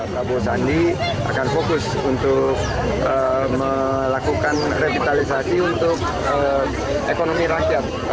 prabowo sandi akan fokus untuk melakukan revitalisasi untuk ekonomi rakyat